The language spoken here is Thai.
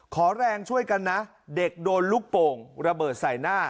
แรงช่วยกันนะเด็กโดนลูกโป่งระเบิดใส่หน้า